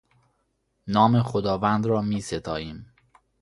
نام خداوند را میستاییم.